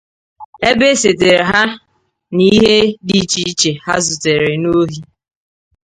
ebe e setere ha na ihe dị iche iche ha zutere n'ohi.